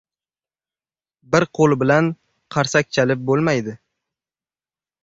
• Bir qo‘l bilan qarsak chalib bo‘lmaydi.